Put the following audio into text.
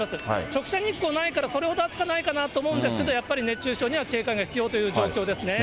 直射日光ないからそれほど暑くないかなと思うんですけど、やっぱり熱中症には警戒が必要という状況ですね。